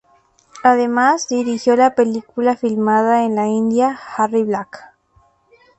Además dirigió la película filmada en la India "Harry Black".